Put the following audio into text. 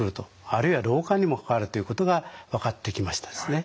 あるいは老化にも関わるということが分かってきましたですね。